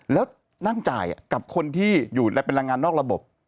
แล้วนั่งจ่ายกับคนที่อยู่และเป็นแรงงานนอกระบบ